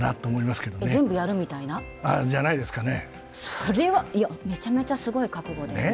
それはめちゃめちゃすごい覚悟ですね。